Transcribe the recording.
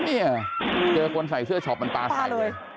เนี่ยเจอคนใส่เสื้อช็อปมันปลาใสเลย